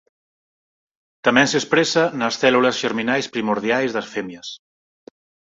Tamén se expresa nas células xerminais primordiais das femias.